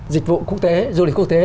dịch vụ quốc tế du lịch quốc tế